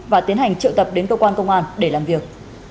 và tiến hành triệu tập đến cơ quan công an để làm việc